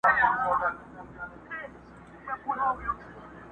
واه زرګر چناره دسروزرو منګوټي راغله